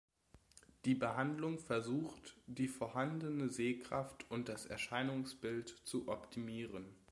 Die Behandlung versucht, die vorhandene Sehkraft und das Erscheinungsbild zu optimieren.